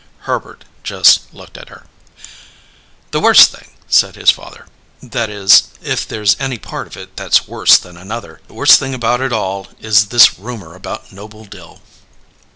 Herbert just looked at her. "The worst thing," said his father; "that is, if there's any part of it that's worse than another the worst thing about it all is this rumour about Noble Dill."